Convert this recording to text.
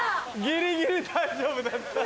ギリギリ大丈夫だった。